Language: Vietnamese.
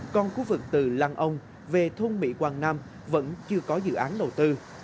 còn khu vực từ lăng ông về thôn mỹ quang nam vẫn chưa có dự án đầu tư